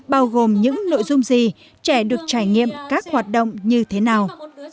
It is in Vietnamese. bao gồm những nội dung gì trẻ được trải nghiệm các hoạt động như thế nào